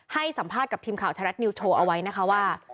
ให้สัมภาษณ์กับทีมข่าวไทยรัฐนิวสโชว์เอาไว้นะคะว่า